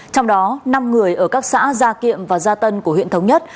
trong đó năm người ở các xã gia kiệm và gia tân của huyện thống nhất